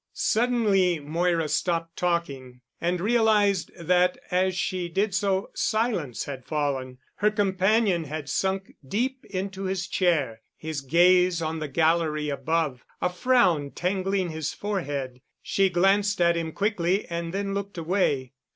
Suddenly Moira stopped talking and realized that as she did so silence had fallen. Her companion had sunk deep into his chair, his gaze on the gallery above, a frown tangling his forehead. She glanced at him quickly and then looked away.